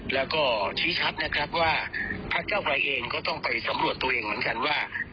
แล้วก็ชี้ชัดนะครับว่าพักเก้าไกรเองก็ต้องไปสำรวจตัวเองเหมือนกันว่า